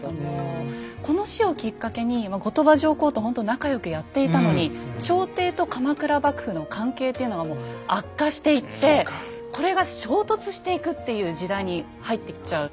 この死をきっかけに後鳥羽上皇とほんと仲良くやっていたのに朝廷と鎌倉幕府の関係っていうのがもう悪化していってこれが衝突していくっていう時代に入っていっちゃう。